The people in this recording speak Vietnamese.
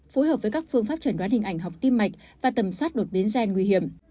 phối hợp với các phương pháp chẩn đoán hình ảnh học tim mạch và tầm soát đột biến gen nguy hiểm